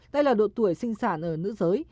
đây là độ tuổi sinh sản ở nữ giới